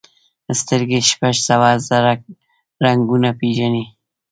سترګې شپږ سوه زره رنګونه پېژني.